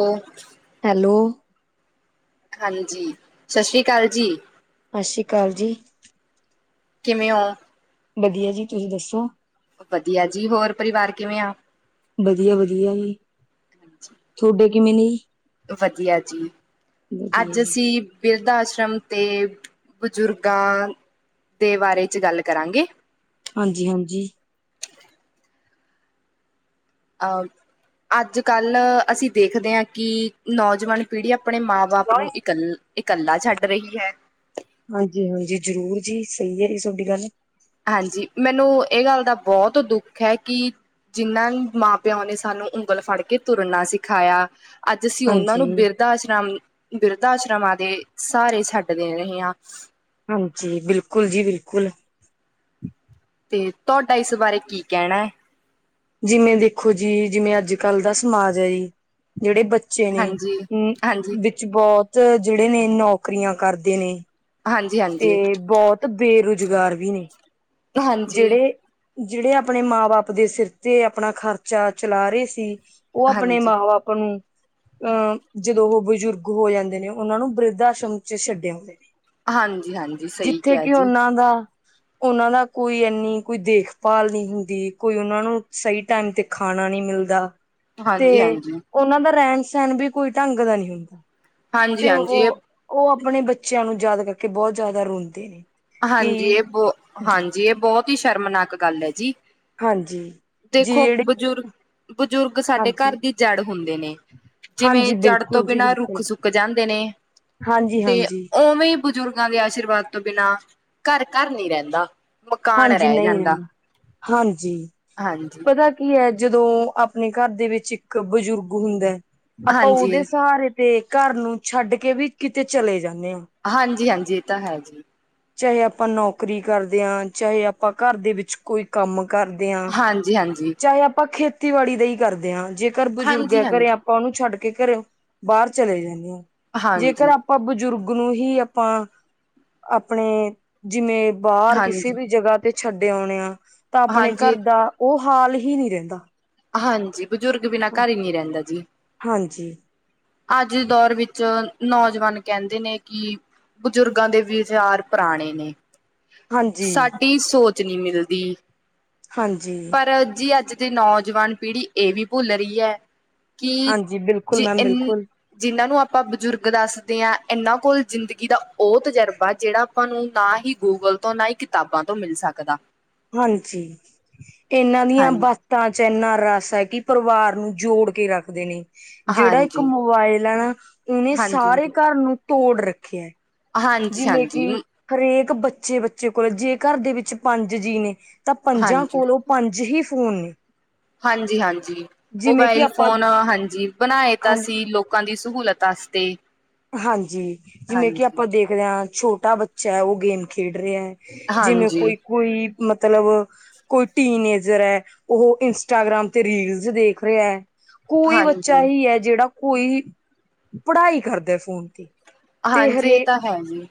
ਉਹ ਹੈਲੋ ਹਾਂਜੀ, ਸਸ ਸ਼ੀਕਾਲ ਜੀ। ਸਸਿ ਸ਼ੀਕਾਲ ਜੀ। ਕਿਵੇ ਓਂ। ਵਧੀਆ ਜੀ ਤੁਸੀਂ ਦੱਸੋ। ਵਧੀਆ ਜੀ, ਹੋਰ ਪਰਿਵਾਰ ਕਿਵੇਂ ਆ। ਵਧੀਆ, ਵਧੀਆ ਜੀ, ਹਾਂਜੀ, ਤੋਡੇ ਕਿਵੇਂ ਨੇ ਵਧੀਆ ਜੀ, ਵਧੀਆ ਅੱਜ ਜੀ, ਅਸੀਂ ਬਿਰਧ- ਆਸ਼ਰਮ ਤੇ ਬਜ਼ੁਰਗਾਂ ਦੇ ਬਾਰੇ 'ਚ ਗੱਲ ਕਰਾਂਗੇ। ਹਾਂਜੀ, ਹਾਂਜੀ। ਅ ਅੱਜ- ਕੱਲ੍ਹ ਅਸੀਂ ਦੇਖਦੇ ਆ ਕਿ ਨੌਜਵਾਨ ਪੀੜ੍ਹੀਆਂ ਆਪਣੇ ਮਾਂ- ਬਾਪ ਨੂੰ ਇਕ, ਇਕੱਲਾ ਛੱਡ ਰਹੀ ਹੈ। ਹਾਂਜੀ, ਹਾਂਜੀ ਜ਼ਰੂਰ ਜੀ ਸਹੀ ਹੈ ਜੀ ਸੋਡੀ ਗੱਲ ਹਾਂਜੀ, ਮੈਨੂੰ ਇਹ ਗੱਲ ਦਾ ਬਹੁਤ ਦੁੱਖ ਐ ਕਿ ਜਿਹਨ੍ਹਾਂ ਮਾਂ- ਪਿਓ ਨੇ ਸਾਨੂੰ ਉਂਗਲ ਫੜ ਕੇ ਤੁਰਨਾ ਸਿਖਾਇਆ, ਅੱਜ ਅਸੀਂ ਉਹਨਾਂ ਹਾਂਜੀ। ਨੂੰ ਬਿਰ ਬਰਧਾਸ਼ਰ, ਬਿਰਧਾਸ਼ਰਮਾਂ ਦੇ ਸਾਅਰੇ ਛੱਡ ਦੇ ਰਹੇ ਆ। ਹਾਂਜੀ, ਬਿਲਕੁਲ ਜੀ ਬਿਲਕੁਲ ਤੇ ਤੋਡਾ ਇਸ ਬਾਰੇ ਕੀ ਕਹਿਣਾ ਏ। ਜਿਵੇਂ ਦੇਖੋ ਜੀ, ਜਿਵੇਂ ਅੱਜ- ਕੱਲ ਦਾ ਸਮਾਜ ਐ ਜੀ ਜਿਹੜੇ ਬੱਚੇ ਬੱਚੇ ਹਾਂਜੀ ਨੇ, ਹਾਂਜੀ ਵਿੱਚ ਬਹੁਤ ਜਿਹੜੇ ਨੇ ਨੌਕਰੀਆਂ ਕਰਦੇ ਨੇ ਹਾਂਜੀ, ਹਾਂਜੀ ਤੇ ਬਹੁਤ ਬੇਰੁਜ਼ਗਾਰ ਵੀ ਨੇ, ਹਾਂਜੀ ਜਿਹੜੇ ਜਿਹੜੇ ਆਪਣੇ ਮਾਂ- ਬਾਪ ਦੇ ਸਿਰ ਤੇ ਆਪਣਾ ਖਰਚਾ ਚਲਾ ਰਹੇ ਸੀ। ਉਹ ਆਪਣੇ ਹਾਂਜੀ ਮਾਂ- ਬਾਪ ਨੂੰ ਅਹ ਜਦੋਂ ਉਹ ਬਜ਼ੁਰਗ ਹੋ ਜਾਂਦੇ ਨੇ, ਉਹਨਾਂ ਨੂੰ ਬਰਿਧ- ਆਸ਼ਰਮ ਚ ਛੱਡੇ ਆਉਂਦੇ। ਹਾਂਜੀ, ਹਾਂਜੀ ਸਹੀ ਜਿੱਥੇ ਕਿਹਾ ਕਿ ਜੀ ਉਹਨਾਂ ਦਾ ਉਹਨਾਂ ਦਾ ਕੋਈ ਇੰਨੀ ਕੋਈ ਦੇਖਭਾਲ ਨੀ ਹੁੰਦੀ, ਕੋਈ ਉਹਨਾਂ ਨੂੰ ਸਹੀ ਟਾਈਮ ਤੇ ਖਾਣਾ ਨੀ ਮਿਲਦਾ ਤੇ ਹਾਂਜੀ ਹਾਂਜੀ ਉਹਨਾਂ ਦਾ ਰਹਿਣ- ਸਹਿਣ ਵੀ ਕੋਈ ਢੰਗ ਦਾ ਨੀ ਹੁੰਦਾ। ਹਾਂਜੀ ਤੇ ਹਾਂਜੀ ਇਹ ਉਹ, ਉਹ ਆਪਣੇ ਬੱਚਿਆਂ ਨੂੰ ਯਾਦ ਕਰਕੇ ਬਹੁਤ ਜ਼ਿਆਦਾ ਰੋਂਦੇ ਨੇ। ਹਾਂਜੀ, ਕਿ ਇਹ ਬਹੁ, ਹਾਂਜੀ ਇਹ ਬਹੁਤ ਹੀ ਸ਼ਰਮਨਾਕ ਗੱਲ ਐ ਜੀ। ਹਾਂਜੀ ਜੀ ਦੇਖੋ ਜਿਹੜੇ ਬਜ਼ੁਰਗ, ਬਜ਼ੁਰਗ ਸਾਡੇ ਘਰ ਹਾਂਜੀ ਦੀ ਜੜ ਹੁੰਦੇ ਨੇ ਜਿਵੇਂ ਹਾਂਜੀ ਜੜ ਤੋਂ ਬਿਲਕੁਲ ਜੀ ਬਿਨਾਂ ਰੁੱਖ ਬਿਲਕੁਲ ਸੁੱਕ ਜਾਂਦੇ ਨੇ ਹਾਂਜੀ ਤੇ ਹਾਂਜੀ ਉਵੇਂ ਬਜ਼ੁਰਗਾਂ ਦੇ ਆਸ਼ੀਰਵਾਦ ਤੋਂ ਬਿਨਾਂ ਘਰ, ਘਰ ਨਈ ਰਹਿੰਦਾ, ਮਕਾਨ ਰਹਿ ਜਾਂਦਾ। ਹਾਂਜੀਂ ਹਾਂਜੀ। ਤਾ ਕੀ ੲੈ ਜਦੋ, ਆਪਣੇ ਘਰ ਦੇ ਵਿੱਚ ਇੱਕ ਬਜ਼ੁਰਗ ਹੁੰਦਾ, ਆਪਾਂ ਓਦੇ ਹਾਂਜੀ। ਸਹਾਰੇ ਤੇ ਘਰ ਨੂੰ ਛੱਡ ਕੇ ਵੀ ਕਿਤੇ ਚਲੇ ਜਾਣੇ ਆਂ ਹਾਂਜੀ-ਹਾਂਜੀ, ਏ ਤਾਂ ਹੈ ਜੀ। ਚਾਹੇ ਅਪਾ ਨੌਕਰੀ ਕਰਦੇ ਆਂ ਚਾਹੇ ਅਪਾਂ ਘੱਰ ਦੇ ਵਿੱਚ ਕੋਈ ਕੰਮ ਕਾਰਦੇ ਆਂ, ਹਾਂਜੀ-ਹਾਂਜੀ, ਚਾਹੇ ਅਪਾ ਖੇਤੀਬਾੜੀ ਦਾ ਈ ਕਰਦੇ ਆਂ, ਜੇ ਕਰ ਹਾਂਜੀ-ਹਾਂਜੀ। ਬਜ਼ੁਰਗਾ ਘਰੇ ਆਪਾਂ ਓਨੂੰ ਛੱਡ ਕੇ ਘਰੇਓ ਬਾਰ ਚਲੇ ਜਾਣੇ ਆਂ, ਹਾਂਜੀ, ਹਾਂਜੀ, ਜੇਕਾਰ ਅ ਪਾਂ ਬਜ਼ੁਰਗ ਨੂੰ ਹੀ ਅਪਾ ਪਣੇ, ਜਿਵੇਂ ਬੱਰ ਕਿਸੇ ਹਾਂਜੀ। ਹਾਂਜੀ ਵੀ ਜਗਾ ਤੇ ਛੱਡ ਆਉਣੇ ਆ ਤਾਂ ਅਪਣੇ ਘੱਰ ਹਾਂਜੀ ਦਾ ਓ ਹਾਲ ਹੀ ਨੀ ਰੈੰਦਾ ਹਾਂਜੀ, ਬਜ਼ੁਰਗ ਬਿਨਾਂ ਘੱਰ ਈ ਨੀ ਰੈੰਦਾ ਜੀ। ਹਾਂਜੀ। ਅੱਜ ਦੇ ਦੌਰ ਵਿੱਚ ਨੌਜਵਾਨ ਕੈੰਦੇ ਨੇ ਕਿ ਬਜ਼ੁਰਗਾਂ ਦੇ ਵੀਚਾਰ ਪਰਾਣੇ ਨੇ ਹਾਂਜੀ ਸਾਡੀ ਸੋਚ ਨੀ ਮਿਲਦੀ ਹਾਂਜੀ ਪਰ ਜੀ ਅੱਜ ਦੀ ਨੌਜਵਾਨ ਪੀੜ੍ਹੀ ਏ ਵੀ ਭੁੱਲ ਰੀ ੲੈ ਕਿ ਹਾਂਜੀ ਬਿਲਕੁਲ ਜੇ ਮੈਮ ਏਨ ਬਿਲਕੁਲ ਜਿਨਾਂ ਨੂੰ ਆਪਾਂ ਬਜ਼ੁਰਗ ਦੱਸਦੇ ਆਂ ਏਨਾਂ ਕੋਲ ਜ਼ਿੰਦਗੀ ਦਾ ਓ ਤਜਰਬਾ ਜੇੜਾ ਆਪਾਂ ਨੂੰ ਨਾ ਹੀ ਗੂਗਲ ਤੋ ਨਾ ਹੀ ਕਿਤਾਬਾਂ ਤੋਂ ਮਿਲ ਸਕਦਾ ਹਾਂਜੀ, ਏਨਾਂ ਦੀਆ ਹਾਂਜੀ ਬੱ ਤਾਂ ਚ ਏਨਾ ਰੱਸ ੲੈ ਕਿ ਪਰਵਾਰ ਨੂੰ ਜੋੜ ਕੇ ਰਖਦੇ ਨੇ ਜੇੜਾ ਏਕ ਹਾਂਜੀ ਮੋਬਾਇਲ ਐ ਨਾ, ਉਨੇ ਹਾਂਜੀ ਸਾਰੇ ਹਾਂਜੀ ਘੱਰ ਨੂੰ ਤੋੜ ਰੱਖੇਐ ਜਿਵੇਂ ਹਾਂਜੀ ਕਿ ਹਰੇਕ ਬੱਚੇ-ਬੱਚੇ ਕੋਲ ਜੇ ਘੱਰ ਦੇ ਵਿੱਚ ਪੰਜ ਜੀ ਨੇ ਤਾਂ ਪੰਜਾਂ ਹਾਂਜੀ ਕੋਲੋ ਪੰਜ ਹੀ ਫੋਨ ਨੇ। ਹਾਂਜੀ-ਹਾਂਜੀ, ਜਿਵੇਂ ਕਿ ਮੋਬਾਇਲ ਆਪਾਂ ਫੋਨ, ਹਾਂਜੀ ਬਣਾਏ ਤਾਂ ਸੀ ਲੋ ਕਾਂ ਦੀ ਸਹੂਲਤ ਆਸਤੇ ਹਾਂਜੀ਼, ਜਿਵੇ ਕਿ ਅਪਾਂ ਦੇਖਦੇ ਆਂ, ਛੋ਼ਟਾ ਬੱਚਾ ਐ ਓ ਗੇਮ ਖੇਡ ਰੇਐ ਜਿਵੇ ਹਾਂਜੀ ਕੋਈ-ਕੋਈ ਮਤਲਬ ਕੋਈ ਟੀਨੇਜਰ ਐ, ਓਹੋ ਇੰਸਟਾਗ੍ਰਾਮ ਤੇ ਰੀਲਜ਼ ਦੇਖ ਰੇਐ। ਕੋਈ ਹਾਂਜੀ ਬੱਚਾ ਹੀ ਐ, ਜੇੜਾ ਕੋਈ, ਪੜ੍ਹਾਈ ਕਰਦਾ ਫੋਨ ਤੇ ਤੇ ਹਾਂਜੀ, ਏ ਹਰੇਕ ਤਾਂ ਹੈ ਜੀ।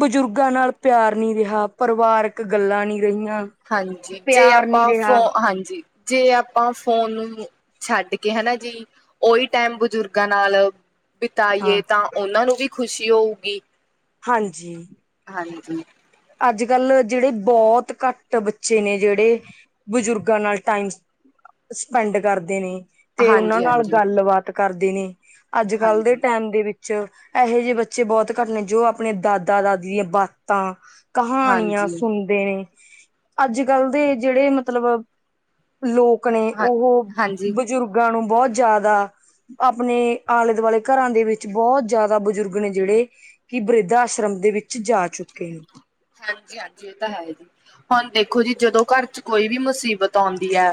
ਬਜ਼ੁਰਗਾਂ ਨਾਲ ਪੇਆਰ ਨੀ ਰੇਹਾ, ਪਰਵਾਰਕ ਗਲਾ ਨੀ ਰਹੀਆ। ਹਾਂਜੀ, ਤੇ ਅਪਾਂ, ਫੋ, ਹਾਂਜੀ। ਜੇ ਅਪਾ ਫੋਨ ਨੂੰ ਛੱਡ ਕੇ, ਹਨਾ ਜੀ। ਓਈ ਟੈਮ ਬਜ਼ੁਰਗਾਂ ਨਾਲ ਬਿਤਾਈਏ ਹਾਂ ਤਾਂ ਓਨਾਂ ਨੂੰ ਵੀ ਖੁਸ਼ੀ ਹੋਉਗੀ। ਹਾਂਜੀ। ਹਾਂਜੀ। ਅੱਜ-ਕੱਲ ਜਿੜੇ ਬੋਤ ਘੱਟ ਬੱਚੇ ਨੇ ਜਿੜੇ ਬਜ਼ੁਰਗਾਂ ਨਾਲ ਟਾਈਮ ਸ, ਸਪੈਂਡ ਕਰਦੇ ਨੇ ਤੇ ਓਨਾਂ ਹਾਂਜੀ ਨਾਲ ਹਾਂਜੀ ਗੱਲਬਾਤ ਕਰਦੇ ਨੇ, ਅੱਜ-ਕੱਲ ਦੇ ਹਾਂਜੀ ਟੈਮ ਦੇ ਵਿੱ ਚ ੲੈਹੇ ਜੇ ਬੱਚੇ ਬੋਤ ਘੱਟ ਨੇ ਜੋ ਆਪਣੇ ਦਾਦਾ-ਦਾਦੀ ਦੀਆਂ ਬਾਤਾ ਕਹਾਣੀਆਂ ਹਾਂਜੀ ਸੁਣਦੇ ਨੇ, ਅੱਜ-ਕੱਲ ਦੇ ਜੇੜੇ ਮਤਲਬ ਲੋਕ ਨੇ ਹਾਂ ਓਹੋ ਹਾਂਜੀ ਬਜ਼ੁਰਗਾਂ ਨੂੰ ਬੋ ਜ਼ਾਦਾ ਆਪਣੇ ਆਲੇ-ਦੁਆਲੇ ਘਰਾਂ ਦੇ ਵਿੱਚ ਬੋ ਜ਼ਾਆਦਾ ਬਜ਼ੁਰਗ ਨੇ ਜੇੜੇ ਕਿ ਬ੍ਰਿਧ ਆਸ਼ਰਮ ਦੇ ਵਿੱਚ ਜਾ ਚੁੱਕੇ ਨੇ। ਹਾਂਜੀ ਹਾਂਜੀ ਇਹ ਤਾਂ ਹੈ ਈ, ਹੁਣ ਦੇਖੋ ਜੀ ਜਦੋਂ ਘਰ ਚ ਕੋਈ ਵੀ ਮੁਸੀਬਤ ਆਉਂਦੀ ਹੈ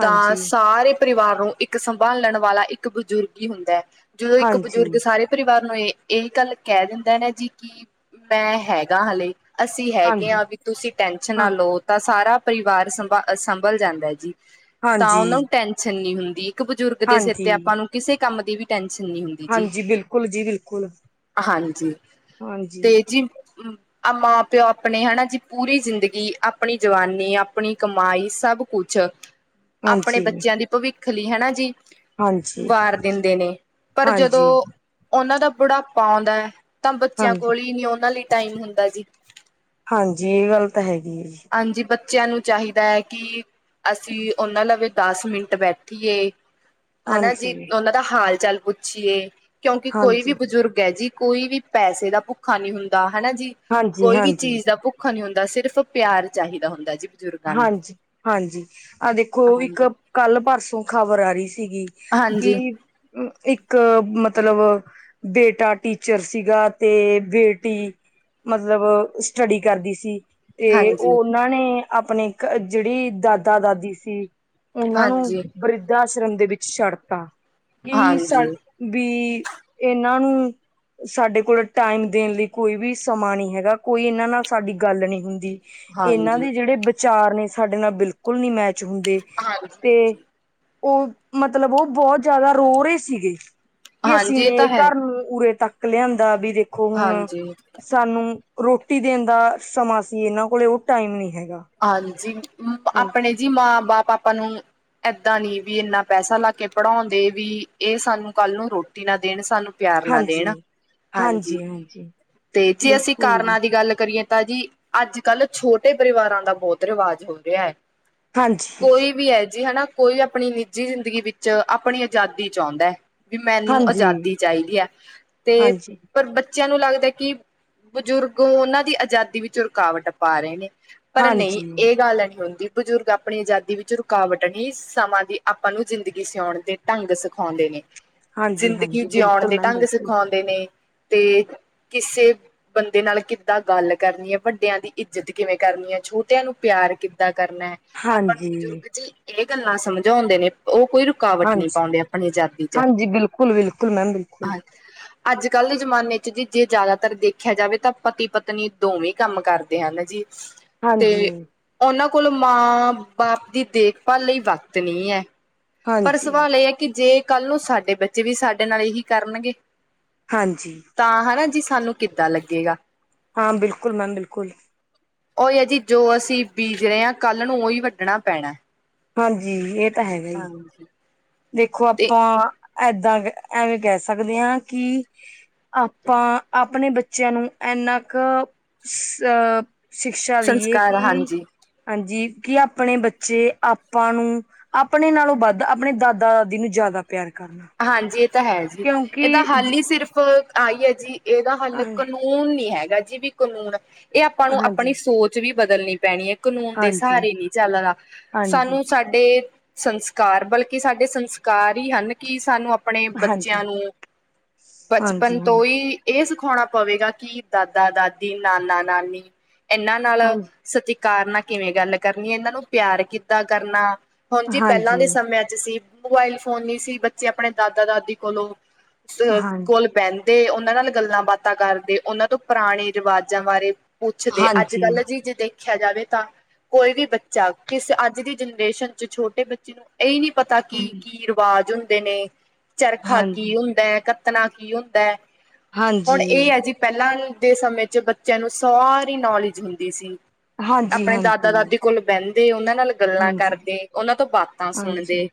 ਤਾਂ ਸਾਰੇ ਪਰਿਵਾਰ ਨੂੰ ਇੱਕ ਸੰਭਾਲਣ ਵਾਲਾ ਇੱਕ ਬਜ਼ੁਰਗ ਹੀ ਹੁੰਦਾ ਹੈ। ਜਦੋਂ ਇੱਕ ਹਾਂਜੀ ਬਜ਼ੁਰਗ ਸਾਰੇ ਪਰਿਵਾਰ ਨੂੰ ਇਹ ਇਹ ਗੱਲ ਕਹਿ ਦਿੰਦਾ ਨਾ ਜੀ ਕਿ ਮੈਂ ਹੈਗਾ ਹਾਲੇ ਅਸੀਂ ਹੈਗੇ ਹਾਂਜੀ ਹਾਂ ਵੀ ਤੁਸੀਂ ਟੈਸ਼ਨ ਨਾ ਹਾਂ ਲਓ ਤਾਂ ਸਾਰਾ ਪਰਿਵਾਰ ਸੰਭ ਸੰਭਲ ਜਾਂਦਾ ਹੈ ਜੀ। ਤਾਂ ਉਹਨਾਂ ਹਾਂਜੀ ਨੂੰ ਟੈਨਸ਼ਨ ਨਹੀਂ ਹੁੰਦੀ ਇੱਕ ਬਜ਼ੁਰਗ ਦੇ ਸਿਰ ਤੇ ਹਾਂਜੀ ਆਪਾਂ ਨੂੰ ਕਿਸੇ ਕੰਮ ਦੀ ਵੀ ਟੈਨਸ਼ਨ ਨਹੀਂ ਹੁੰਦੀ। ਜੀ ਹਾਂਜੀ ਬਿਲਕੁਲ ਜੀ ਬਿਲਕੁਲ ਹਾਂਜੀ, ਹਾਂਜੀ, ਤੇ ਜੀ। ਆ ਮਾਂ ਪਿਓ ਆਪਣੇ ਹਨਾ ਜੀ ਪੂਰੀ ਜ਼ਿੰਦਗੀ, ਆਪਣੀ ਜਵਾਨੀ, ਆਪਣੀ ਕਮਾਈ ਸਭ ਕੁਛ ਆਪਣੇ ਹਾਂਜੀ, ਬੱਚਿਆਂ ਦੀ ਭਵਿੱਖ ਲਈ ਹੈਨਾ ਜੀ। ਹਾਂਜੀ, ਵਾਰ ਦਿੰਦੇ ਨੇ ਪਰ ਜਦੋਂ ਹਾਂਜੀ, ਉਹਨਾਂ ਦਾ ਬੁਢਾਪਾ ਆਉਂਦਾ ਐ, ਤਾਂ ਬੱਚਿਆਂ ਹਾਂਜੀ। ਕੋਲ ਹੀ ਨੀ ਉਹਨਾਂ ਲਈ ਟਾਈਮ ਹੁੰਦਾ ਜੀ। ਹਾਂਜੀ, ਇਹ ਗੱਲ ਤਾਂ ਹੈਗੀ ਏ ਜੀ। ਹਾਂਜੀ, ਬੱਚਿਆਂ ਨੂੰ ਚਾਹੀਦਾ ਐ, ਕਿ ਅਸੀਂ ਉਹਨਾਂ ਨਾਲ ਵੀ ਦਸ ਮਿੰਟ ਬੈਠੀਏ ਹਨਾ ਜੀ, ਹਾਂਜੀ, ਉਹਨਾਂ ਦਾ ਹਾਲ ਚਾਲ ਪੁੱਛੀਏ। ਕਿਉਂਕਿ ਕੋਈ ਵੀ ਹਾਂਜੀ, ਬਜ਼ੁਰਗ ਐ ਜੀ, ਕੋਈ ਵੀ ਪੈਸੇ ਦਾ ਭੁੱਖਾ ਨਹੀਂ ਹੁੰਦਾ ਹੈਨਾ ਜੀ। ਹਾਂਜੀ, ਕੋਈ ਵੀ ਹਾਂਜੀ। ਚੀਜ਼ ਦਾ ਭੁੱਖ ਨਹੀਂ ਹੁੰਦਾ। ਸਿਰਫ਼ ਪਿਆਰ ਚਾਹੀਦਾ ਹੁੰਦਾ ਜੀ। ਬਜ਼ੁਰਗਾਂ ਨੂੰ ਹਾਂਜੀ- ਹਾਂਜੀ। ਆਹ ਦੇਖੋ ਇੱਕ ਹਾਂਜੀ ਕੱਲ ਪਰਸੋਂ ਖ਼ਬਰ ਆ ਰਹੀ ਸੀਗੀ। ਹਾਂਜੀ ਕਿ ਇੱਕ ਮਤਲਬ ਬੇਟਾ ਟੀਚਰ ਸੀਗਾ ਤੇ ਬੇਟੀ ਮਤਲਬ ਸਟੱਡੀ ਕਰਦੀ ਸੀ। ਤੇ ਉਹ ਹਾਂਜੀ ਉਹਨਾਂ ਨੇ ਆਪਣੇ ਜਿਹੜੀ ਦਾਦਾ ਦਾਦੀ ਸੀ। ਉਹਨਾਂ ਨੂੰ ਹਾਂਜੀ ਵਰਿੱਧ ਆਸ਼ਰਮ ਦੇ ਵਿੱਚ ਛੱਡ ਤਾ ਕੀ ਸਾ ਹਾਂਜੀ ਵੀ ਇਹਨਾਂ ਨੂੰ ਸਾਡੇ ਕੋਲ ਟਾਈਮ ਦੇਣ ਲਈ ਕੋਈ ਵੀ ਸਮਾਂ ਨਹੀਂ ਹੈਗਾ। ਕੋਈ ਇਹਨਾਂ ਨਾਲ ਸਾਡੀ ਗੱਲ ਨਹੀਂ ਹੁੰਦੀ। ਇਹਨਾਂ ਹਾਂਜੀ ਦੇ ਜਿਹੜੇ ਵਿਚਾਰ ਨੇ ਸਾਡੇ ਨਾਲ ਬਿਲਕੁਲ ਨੀ ਮੈਚ ਹੁੰਦੇ ਹਾਂਜੀ ਤੇ ਉਹ ਮਤਲਬ ਉਹ ਬਹੁਤ ਜ਼ਿਆਦਾ ਰੋ ਰੋਏ ਸੀਗੇ ਕਿ ਅਸੀਂ ਹਾਂਜੀ ਇਹ ਨੇ ਤਾਂ ਹੈ ਘਰ ਨੂੰ ਉਰੇ ਤੱਕ ਲਿਆਂਦਾ ਵੀ ਦੇਖੋ ਹੁਣ ਹਾਂਜੀ ਸਾਨੂੰ ਰੋਟੀ ਦੇਣ ਦਾ ਸਮਾਂ ਸੀ। ਇਹਨਾਂ ਕੋਲ ਉਹ ਟਾਈਮ ਨਹੀਂ ਹੈ। ਹਾਂਜੀ, ਆਪਣੇ ਜੀ ਮਾਂ ਬਾਪ ਆਪਾਂ ਨੂੰ ਏਦਾਂ ਨੀ ਵੀ ਇੰਨਾ ਪੈਸਾ ਲਾ ਕੇ ਪੜਾਉਣ ਦੇ ਵੀ ਇਹ ਸਾਨੂੰ ਕੱਲ ਨੂੰ ਰੋਟੀ ਨਾ ਦੇਣ ਸਾਨੂੰ ਪਿਆਰ ਨਾਲ ਹਾਂਜੀ ਦੇਣ ਹਾਂਜੀ, ਤੇ ਜੇ ਅਸੀਂ ਬਿਲਕੁਲ ਜੀ ਕਾਰਨਾਂ ਦੀ ਗੱਲ ਕਰੀਏ ਤਾਂ ਜੀ ਅੱਜ ਕੱਲ ਛੋਟੇ ਪਰਿਵਾਰਾ ਦਾ ਬਹੁਤ ਰਿਵਾਜ ਹੋ, ਰਿਹਾ ਹੈ। ਹਾਂਜੀ ਕੋਈ ਵੀ ਹੈ ਜੀ ਹਨਾ। ਕੋਈ ਆਪਣੀ ਨਿੱਜੀ ਜ਼ਿੰਦਗੀ ਵਿੱਚ ਆਪਣੀ ਆਜ਼ਾਦੀ ਚਾਉਦਾ ਹੈ। ਵੀ ਮੈਨੂੰ ਹਾਂਜੀ ਆਜ਼ਾਦੀ ਚਾਹੀਦੀ ਏ ਤੇ ਹਾਂਜੀ ਪਰ ਬ ਬੱਚਿਆਂ ਨੂੰ ਲੱਗਦਾ ਕਿ, ਬਜ਼ੁਰਗ ਉਹਨਾਂ ਦੀ ਆਜ਼ਾਦੀ ਵਿੱਚ ਰੁਕਾਵਟ ਪਾ ਰਏ ਨੇ ਪਰ ਨਹੀਂ ਹਾਂਜੀ, ਇਹ ਗੱਲ ਨਹੀਂ ਹੁੰਦੀ ਬਜ਼ੁਰਗ ਆਪਣੀ ਆਜ਼ਾਦੀ ਵਿੱਚ ਰੁਕਾਵਟ ਹੀ ਸਮਾਂ ਦੀ ਆਪਾਂ ਨੂੰ ਜ਼ਿੰਦਗੀ ਸਿਆਉਣ ਦੇ ਢੰਗ ਸਿਖਾਉਂਦੇ ਨੇ ਹਾਂਜੀ, ਜ਼ਿੰਦਗੀ ਹਾਂਜੀ ਜਿਉਣ ਬਿਲਕੁਲ ਦੇ ਮੈਮ ਢੰਗ ਬਿਲਕੁਲ ਸਿਖਾਉਂਦੇ ਨੇ ਤੇ ਕਿਸੇ ਬੰਦੇ ਨਾਲ ਕਿੱਦਾਂ ਗੱਲ ਕਰਨੀ ਏ ਵੱਡਿਆਂ ਦੀ ਇੱਜਤ ਕਿਵੇਂ ਕਰਨੀ ਏ ਛੋਟਿਆਂ ਨੂੰ ਪਿਆਰ ਕਿੱਦਾਂ ਕਰਨੇ। ਹਾਂਜੀ। ਏ ਗੱਲਾਂ ਸਮਝਾਉਂਦੇ ਨੇ ਓ ਕੋਈ ਰੁਕਾਵਟ ਨੀ ਹਾਂਜੀ, ਪਾਉਂਦੇ ਆਪਣੀ ਆਜ਼ਾਦੀ 'ਚ ਹਾਂਜੀ ਬਿਲਕੁਲ, ਬਿਲਕੁਲ ਮੈਮ ਬਿਲਕੁਲ ਅੱਜ-ਕੱਲ ਦੇ ਜ਼ਮਾਨੇ 'ਚ ਜੀ ਜੇ ਜ਼ਿਆਦਾਤਰ ਦੇਖਿਆ ਜਾਵੇ ਤਾਂ ਪਤੀ-ਪਤਨੀ ਦੋਵੇਂ ਕੰਮ ਕਰਦੇ ਹਨ ਜੀ ਹਾਂਜੀ, ਤੇ ਉਨਾਂ ਕੋਲ ਮਾਂ-ਬਾਪ ਦੀ ਦੇਖਭਾਲ ਲਈ ਵਕਤ ਨਈ ਐ ਪਰ ਹਾਂਜੀ, ਸਵਾਲ ਇਹ ਹੈ। ਕਿ ਜੇ ਕੱਲ ਨੂੰ ਸਾਡੇ ਬੱਚੇ ਵੀ ਸਾਡੇ ਨਾਲ ਇਹੀ ਕਰਨਗੇ ਹਾਂਜੀ। ਤਾਂ ਹਨਾ ਜੀ ਸਾਨੂੰ ਕਿੱਦਾਂ ਲੱਗੇਗਾ। ਹਾਂ, ਬਿਲਕੁਲ ਮੈਮ ਬਿਲਕੁਲ। ਓਹੀ ਆ ਜੀ ਜੋ ਅਸੀਂ ਬੀਜ ਰਹੇ ਆ ਕੱਲ ਨੂੰ ਉਹੀ ਵੱਢਣਾ ਪੈਣਾ ਹਾਂਜੀ ਇਹ ਤਾਂ ਹੈਗਾ ਹੀ। ਹਾਂਜੀ। ਦੇਖੋ ਤੇ ਆਪਾ ਏਦਾ ਐਵੇਂ ਕਹਿ ਸਕਦੇ ਆ ਕਿ। ਆਪਾਂ ਆਪਣੇ ਬੱਚਿਆਂ ਨੂੰ ਐਨਾ ਕੁ ਸ ਸ਼ਿਕਸ਼ਾ ਦੀਈਏ ਸੰਸਕਾਰ ਕਿ। ਹਾਂਜੀ, ਹਾਂਜੀ, ਕਿ ਆਪਣੇ ਬੱਚੇ ਆਪਾਂ ਨੂੰ ਆਪਣੇ ਨਾਲੋਂ ਵੱਧ ਆਪਣੇ ਦਾਦਾ ਦਾਦੀ ਨੂੰ ਜ਼ਿਆਦਾ ਪਿਆਰ ਕਰਨ ਹਾਂਜੀ ਇਹ ਤਾਂ ਹੈ। ਜੀ ਏਦਾ ਹੱਲ ਹੀ ਸਿਰਫ਼ ਆਈ ਹੈ ਜੀ ਇਹਦਾ ਹੱਲ ਕੂੰ ਜ ਕਨੂੰਨ ਨੀ ਹੈਗਾ ਜੀ ਵੀ ਕਨੂੰਨ ਏ ਆਪਾਂ ਨੂੰ ਹਾਂਜੀ, ਆਪਣੀ ਸੋਚ ਵੀ ਬਦਲਣੀ ਪੈਣੀ ਆ। ਕਨੂੰਨ ਦੇ ਹਾਂਜੀ, ਸਹਾਰੇ ਨੀ ਚੱਲਣਾ ਹਾਂਜੀ, ਸਾਨੂੰ ਸਾਡੇ ਸੰਸਕਾਰ ਬਲਕੀ ਸਾਡੇ ਸੰਸਕਾਰ ਹੀ ਹਨ ਕਿ ਸਾਨੂੰ ਅਪ ਆਪਣੇ ਹਾਂਜੀ, ਬੱਚੇਆਂ ਨੂੰ ਹਾਂਜੀ, ਬਚਪਨ ਹਾਂ। ਤੋਂ ਹੀ ਏ ਸਿਖਾਉਣਾ ਪਵੇਗਾ ਕਿ ਦਾਦਾ-ਦਾਦੀ, ਨਾਨਾ-ਨਾਨੀ ਇਨਾਂ ਨਾਲ ਹਾਂਜੀ, ਸਤਿਕਾਰ ਨਾਲ ਕਿਵੇਂ ਗੱਲ ਕਰਨੀ ਆ। ਇਨਾਂ ਨੂੰ ਪਿਆਰ ਕਿੱਦਾਂ ਕਰਨਾ ਹੁਣ ਜੀ ਪਹਿਲਾਂ ਹਾਂਜੀ, ਦੇ ਸਮਿਆਂ 'ਚ ਸੀ, ਮੋਬਾਇਲ ਫੋਨ ਨਈ ਸੀ। ਬੱਚੇ ਆਪਣੇ ਦਾਦਾ-ਦਾਦੀ ਕੋਲੋਂ ਸ ਹਾਂ, ਕੋਲ ਬਹਿੰਦੇ ਉਨਾਂ ਨਾਲ ਗੱਲਾਂ ਬਾਤਾਂ ਕਰਦੇ ਉਨਾਂ ਤੋਂ ਪੁਰਾਣੇ ਰਿਵਾਜਾਂ ਬਾਰੇ ਪੁੱਛਦੇ ਹਾਂਜੀ। ਅੱਜ-ਕੱਲ ਝਿਜਦੇ ਦੇਖਿਆ ਜਾਵੇ ਤਾਂ ਕੋਈ ਵੀ ਬੱਚਾ ਕਿਸ ਅੱਜ ਦੀ ਜਨਰੇਸ਼ਨ 'ਚ ਛੋਟੇ ਬੱਚੇ ਨੂੰ ਏ ਈ ਨੀ ਪਤਾ ਹਾਂਜੀ, ਕੀ-ਕੀ ਰਿਵਾਜ ਹੁੰਦੇ ਨੇ ਚਰਖਾ ਕੀ ਹਾਂਜੀ, ਹੁੰਦਾ ਆ ਕ ਕੱਤਣਾ ਕੀ ਹੁੰਦਾ ਆ। ਹੁਣ ਏ ਹਾਂਜੀ, ਆ ਜੀ। ਪਹਿਲਾਂ ਦੇ ਸਮੇਂ 'ਚ ਬੱਚਿਆਂ ਨੂੰ ਸਾਰੀ ਨੌਲੇਜ ਹੁੰਦੀ ਸੀ। ਹਾਂਜੀ, ਆਪਣੇ ਹਾਂਜੀ। ਦਾਦਾ-ਦਾਦੀ ਕੋਲ। ਬਹਿੰਦੇ ਉਨਾਂ ਨਾਲ ਗੱਲਾਂ ਹਾਂਜੀ, ਕਰਦੇ, ਉਨਾਂ ਤੋਂ ਬਾਤਾਂ ਸੁਣਦੇ,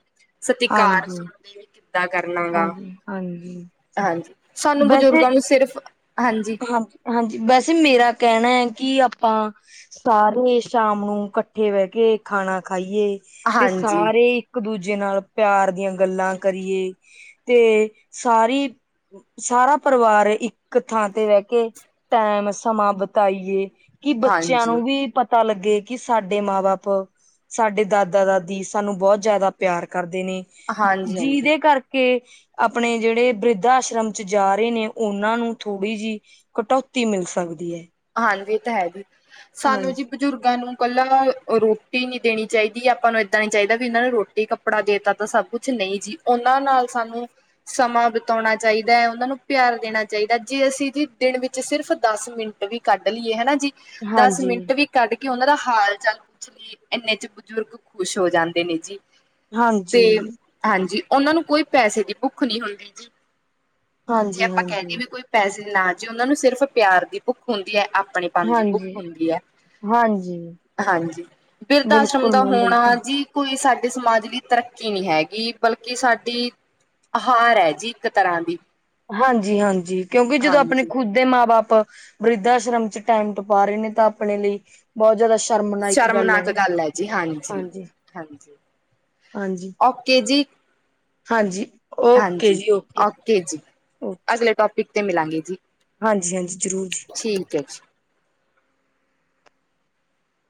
ਸਤਿਕਾਰ ਹਾਂਜੀ, ਵੀ ਕਿੱਦਾਂ ਕਰਨਾ ਗਾ ਹਾਂਜੀ, ਹਾਂਜੀ। ਹਾਂਜੀ, ਸਾਨੂੰ ਬਜ਼ੁਰਗਾਂ ਨੂੰ ਸਿਰਫ ਹਾਂਜੀ ਹਾਂ-ਹਾਂਜੀ ਵੈਸੇ ਮੇਰਾ ਕਹਿਣਾ ਆ ਕਿ ਆਪਾਂ ਘਰ ਹੀ ਸਾਰੇ ਸ਼ਾਮ ਨੂੰ ਕਠੇ ਬਹਿ ਕੇ ਖਾਣਾ ਖਾਈਏ ਤੇ ਹਾਂਜੀ ਸਾਰੇ ਹੀ ਇਕ-ਦੂਜੇ ਨਾਲ ਪਿਆਰ ਦੀਆ ਗੱਲਾਂ ਕਰੀਏ ਤੇ ਸਾਰੀ ਸਾਰਾ ਪਰਿਵਾਰ ਇਕ ਥਾਂ ਤੇ ਬੈ ਕੇ ਟੈਮ ਸਮਾਂ ਬਿਤਾਈਏ ਕਿ ਬੱਚੇਆਂ ਹਾਂਜੀ ਨੂੰ ਵੀ ਪਤਾ ਲਗੇ ਕਿ ਸਾਡੇ ਮਾਂ-ਬਾਪ ਸਾਡੇ ਦਾਦਾ-ਦਾਦੀ ਸਾਨੂੰ ਬੋਤ ਜਿਆਦਾ ਪਿਆਰ ਕਰਦੇ ਨੇ ਹਾਂਜੀ ਹਾਂਜੀ ਜਿਦੇ ਕਰਕੇ ਆਪਣੇ ਜੇੜੇ ਵਰਧਾ ਆਸ਼ਰਮ 'ਚ ਜਾ ਰਹੇ ਨੇ ਉਨਾ ਨੂੰ ਥੋੜੀ ਜੀ ਕਟੋਤੀ ਮਿਲ ਸਕਦੀ ਆ। ਹਾਂਜੀ ਇਹ ਤਾਂ ਹੈ। ਜੀ ਸਾਨੂੰ ਜੀ ਬਜ਼ੁਰਗਾਂ ਨੂੰ ਕੱਲਾ ਰੋਟੀ ਨੀ ਦੇਣੀ ਚਾਹੀਦੀ ਆਪਾ ਨੂੰ ਇਦਾ ਨੀ ਚਾਹੀਦਾ ਵੀ ਇਨਾ ਨੂੰ ਰੋਟੀ। ਕੱਪੜਾ ਦੇਤਾ ਤਾਂ ਸਭ ਕੁਛ ਨਈ ਜੀ ਉਹਨਾ ਨਾਲ ਸਾਨੂੰ ਸਮਾਂ ਬਿਤਾਉਣਾ ਚਾਹੀਦਾ ਐ ਉਹਨਾ ਨੂੰ ਪਿਆਰ ਦੇਣਾ ਚਾਹੀਦਾ ਜੇ ਅਸੀ ਜੀ ਦਿਨ ਵਿਚ ਸਿਰਫ ਦਸ ਮਿੰਟ ਵੀ ਕਢ ਲਈਏ ਹਨਾ ਜੀ, ਦਸ ਹਾਂਜੀ। ਮਿੰਟ ਵੀ ਕਢ ਕੇ ਉਹਨਾ ਦਾ ਹਾਲ ਚਾਲ ਪੁੱਛ ਲਈਏ, ਇਨੇ 'ਚ ਬਜ਼ੁਰਗ ਖੁਸ਼ ਹੋ ਜਾਦੇ ਨੇ ਜੀ। ਹਾਂਜੀ, ਤੇ ਹਾਂਜੀ ਉਹਨਾ ਨੂੰ ਕੋਈ ਪੈਸੇ ਦੀ ਭੁੱਖ ਨੀ ਹੁੰਦੀ ਜੀ ਜੇ ਹਾਂਜੀ, ਆਪਾ ਕਹਿ ਹਾਂਜੀ, ਦਵੇ ਕੋਈ ਪੈਸੇ ਨਾ ਜੇ ਉਹਨਾ ਨੂੰ ਸਿਰਫ਼ ਪਿਆਰ ਦੀ ਭੁੱਖ ਹੁੰਦੀ ਐ ਆਪਣੇ ਪਨ ਦੀ ਭੁੱਖ ਹਾਂਜੀ, ਹੁੰਦੀ ਐ। ਹਾਂਜੀ। ਹਾਂਜੀ ਬਿਰਧ ਆਸ਼ਮ ਬਿਲਕੁਲ ਦਾ ਮੈਮ ਹੋਣਾ ਬਿਲਕੁਲ। ਜੀ, ਕੋਈ ਸਾਡੇ ਸਮਾਜ ਲਈ ਤਰਕੀ ਨੀ ਹੈਗੀ ਬਲਕਿ ਸਾਡੀ ਹਾਰ ਐ ਜੀ ਇਕ ਤਰ੍ਹਾਂ ਦੀ ਹਾਂਜੀ- ਹਾਂਜੀ ਕਿਉਕਿ ਜਦੋ ਆਪਣੀ ਹਾਂਜੀ ਖੁਦ ਦੇ ਮਾਂ ਬਾਪ ਵਰਿਧਾ ਆਸ਼ਰਮ 'ਚ ਟਾਈਮ ਟਪਾ ਰਹੇ ਨੇ ਤਾਂ ਆਪਣੇ ਲਈ ਬਹੁਤ ਜਿਆਦਾ ਸ਼ਰਮਨਾਇਕ ਗੱਲ ਐ ਸ਼ਰਮਨਾਕ ਇਹੇ ਹੈ ਜੀ ਹਾਂਜੀ। ਹਾਂਜੀ, ਔਕੇ ਜੀ। ਹਾਂਜੀ, ਓਕੇ ਹਾਂਜੀ ਜੀ ਓਕੇ ਜੀ, ਓਕੇ ਅਗਲੇ ਟੋਪਿਕ 'ਤੇ ਮਿਲਾਗੇ ਜੀ। ਹਾਂਜੀ ਹਾਂਜੀ ਜ਼ਰੂਰ ਜੀ, ਠੀਕ ਐ ਜੀ।